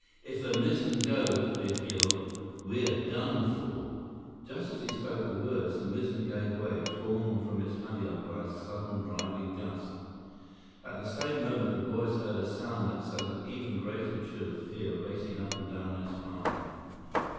"If the mizzen goes," Biff yelled, "we're done for!" 115 Just as he spoke the words, the mizzen gave way, torn from its halyard by a sudden driving gust. At the same moment, the boys heard a sound that sent an even greater chill of fear racing up and down their spines.